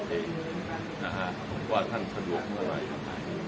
ผมว่าท่านสะดวกเมื่อไหร่